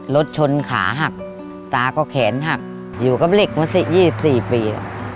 รถชนขาหักตาก็แขนหักอยู่กับเหล็กมา๒๔ปี